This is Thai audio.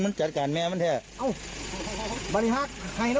แม่เฉียวจังไงกับลูกแม่มีศิษฐ์วางมาเลย